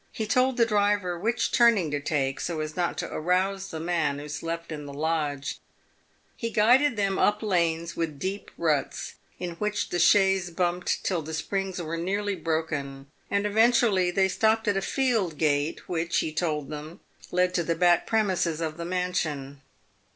He told the driver which turning to take so as not to arouse the man who slept in the lodge ; he guided them up lanes with deep ruts, in which the chaise bumped till the springs were nearly broken ; and eventually they stopped at a field gate which, he told them, led to the back premises of the mansion.